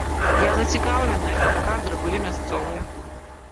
Я зацікаўленая, каб кадры былі мясцовыя.